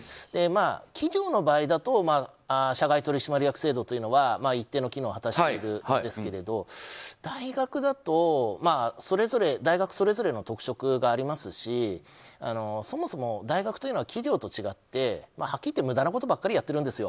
企業の場合だと社外取締役制度というのは一定の役割を果たしていますが大学だと大学それぞれの特色がありますしそもそも大学というのは企業と違ってはっきり言って無駄なことばかりやってるんですよ。